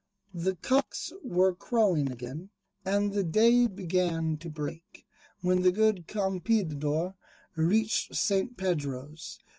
The cocks were crowing again, and the day began to break, when the good Campeador reached St. Pedro's.